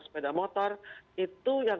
sepeda motor itu yang